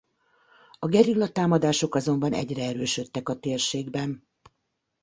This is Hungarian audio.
A gerilla támadások azonban egyre erősödtek a térségben.